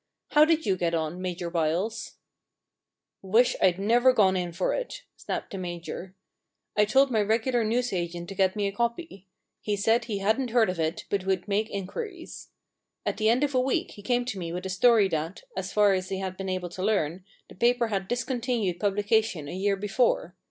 How did you get on. Major Byles ?'* Wish I'd never gone in for it,* snapped the Major. * I told my regular newsagent to P.C. 221 p The Problem Club get me a copy. He said he hadn't heard of it, but would make inquiries. At the end of a week he came to me with a story that, as far as he had been able to learn, the paper had discontinued publication a year before.